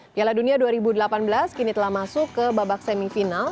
piala dunia dua ribu delapan belas kini telah masuk ke babak semifinal